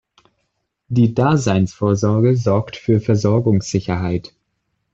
Die Daseinsvorsorge sorgt für Versorgungssicherheit.